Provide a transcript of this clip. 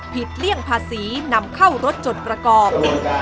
เลี่ยงภาษีนำเข้ารถจนประกอบ